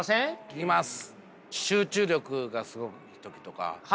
聞きます。